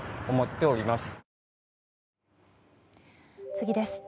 次です。